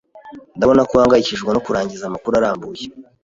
Ndabona ko uhangayikishijwe no kurangiza amakuru arambuye.